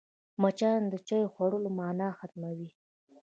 مچان د چايو خوړلو مانا ختموي